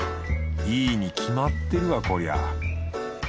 いいに決まってるわこりゃ。